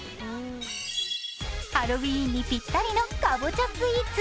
ハロウィーンにぴったりのかぼちゃスイーツ。